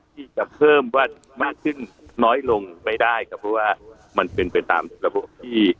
ที่จะเพิ่มว่ามากขึ้นน้อยลงไม่ได้ครับเพราะว่ามันเป็นไปตามระบบที่